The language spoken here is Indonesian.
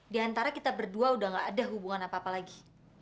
di antara kita berdua udah gak ada hubungan apa apa lagi